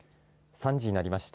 ３時になりました。